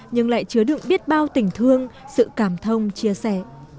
nhưng lại chứa đựng biết bao tình thương sự cảm thông chia sẻ